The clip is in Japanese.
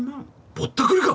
ぼったくりか！